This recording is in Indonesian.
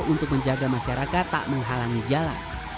untuk menjaga masyarakat tak menghalangi jalan